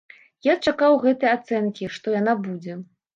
Я чакаў гэтай ацэнкі, што яна будзе.